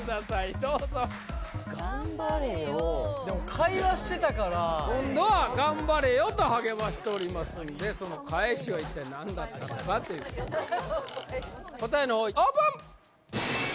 どうぞ・「がんばれよ」でも会話してたから今度は「がんばれよ」と励ましておりますんでその返しは一体何だったのかという答えのほうオープン